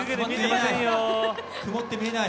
曇って見えない。